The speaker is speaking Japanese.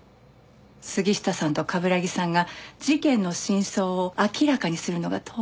杉下さんと冠城さんが事件の真相を明らかにするのが当然のように。